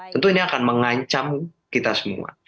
tentu ini akan mengancam kita semua